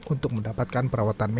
untuk mendapatkan perawatan